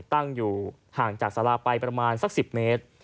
ตั้งอยู่ห่างจากสาราไปประมาณสัก๑๐เมตร